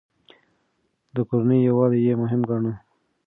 د کورنۍ يووالی يې مهم ګاڼه.